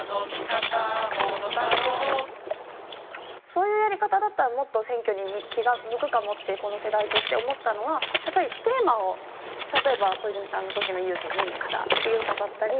そういうやり方だったらもっと選挙に気が向くかもってこの世代として思ったのはやっぱりテーマを例えば小泉さんの時の郵政民営化だ！っていうのだったり。